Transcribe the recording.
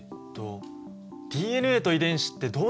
ＤＮＡと遺伝子ってどう違うんだっけ？